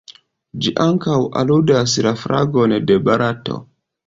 Ĝi ankaŭ aludas la flagon de Barato.